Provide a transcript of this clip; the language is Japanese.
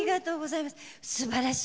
すばらしい！